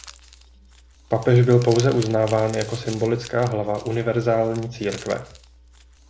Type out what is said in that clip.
Papež byl pouze uznáván jako symbolická hlava univerzální církve.